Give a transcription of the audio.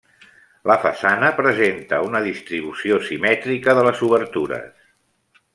La façana presenta una distribució simètrica de les obertures.